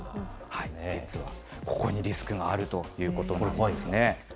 実はここにリスクがあるということなんですね。